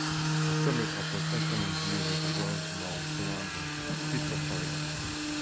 The summit offers excellent views of the well known surrounding peaks of Torridon.